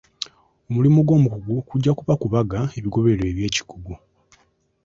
Omulimu gw'omukugu kujja kuba kubaga ebigobererwa eby'ekikugu.